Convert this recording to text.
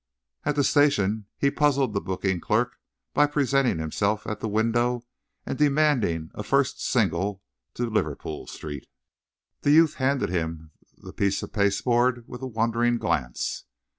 At the station he puzzled the booking clerk by presenting himself at the window and demanding a first single to Liverpool Street. The youth handed him the piece of pasteboard with a wondering glance.